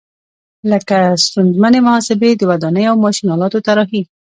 لکه ستونزمنې محاسبې، د ودانیو او ماشین آلاتو طراحي.